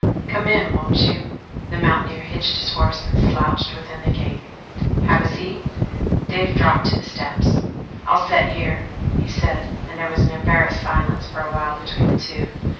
"Come in won't you?" The mountaineer hitched his horse and slouched within the gate. "Have a seat." Dave dropped to the steps. "I'll set here," he said, and there was an embarrassed silence for a while between the two.